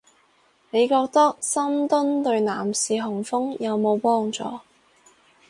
你覺得深蹲對男士雄風有冇幫助